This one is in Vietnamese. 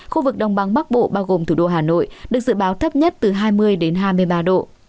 khu vực đông bắc bộ bao gồm thủ đô hà nội được dự báo thấp nhất từ hai mươi đến hai mươi ba độ